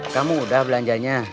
kamu udah belanjanya